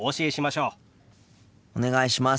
お願いします。